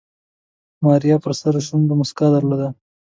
ماريا په سرو شونډو موسکا درلوده.